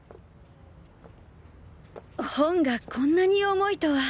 本がこんなに重いとは。